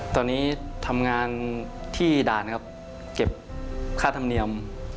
ตอนนี้ทำงานที่ด่านครับเก็บค่าธรรมเนียม